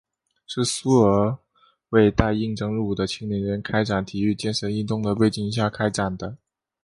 是苏俄为待应征入伍的青年人开展体育健身运动的背景下开展的。